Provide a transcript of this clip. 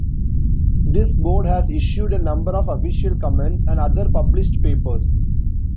This board has issued a number of official comments and other published papers.